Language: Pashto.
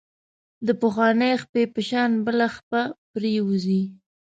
د پخوانۍ خپې په شان بله خپه پرېوځي.